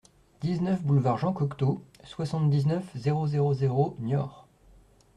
dix-neuf boulevard Jean Cocteau, soixante-dix-neuf, zéro zéro zéro, Niort